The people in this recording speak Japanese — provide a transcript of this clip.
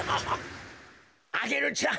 アゲルちゃん